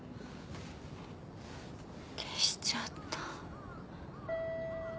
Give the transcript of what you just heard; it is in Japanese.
消しちゃった。